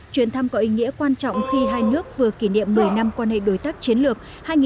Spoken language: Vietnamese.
chuyến thăm có ý nghĩa quan trọng khi hai nước vừa kỷ niệm một mươi năm quan hệ đối tác chiến lược hai nghìn một mươi hai nghìn hai mươi